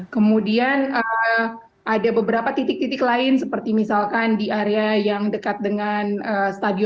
kemudian ada beberapa titik titik lain seperti misalkan di area yang dekat dengan stadion terbesar nanti untuk malam itu